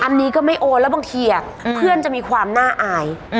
อันนี้ก็ไม่โอนแล้วบางทีเพื่อนจะมีความน่าอาย